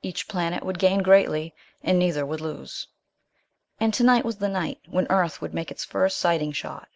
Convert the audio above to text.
Each planet would gain greatly, and neither would lose. And tonight was the night when Earth would make its first sighting shot.